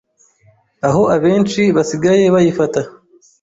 aho abenshi basigaye bayifata